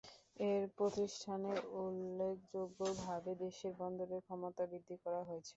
এর প্রতিষ্ঠানে উল্লেখযোগ্যভাবে দেশের বন্দরের ক্ষমতা বৃদ্ধি করা হয়েছে।